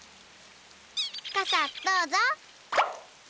かさどうぞ。